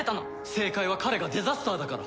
正解は彼がデザスターだから。